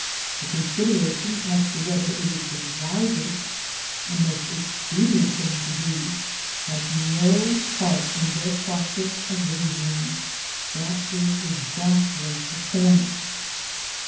The consideration as to whether it is the wisest and most expedient thing to do, has no part in their process of reasoning. That is exactly the point.